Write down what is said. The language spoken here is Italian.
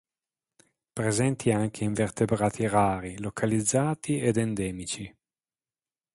Presenti anche invertebrati rari, localizzati ed endemici.